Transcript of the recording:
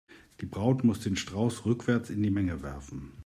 Die Braut muss den Strauß rückwärts in die Menge werfen.